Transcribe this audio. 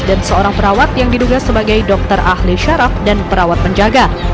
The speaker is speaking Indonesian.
dan seorang perawat yang diduga sebagai dokter ahli syarab dan perawat penjaga